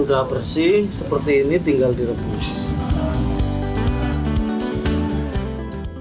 dalam berkembangannya telur asin tidak hanya akan direbus tapi diolah menjadi beberapa jenis olahan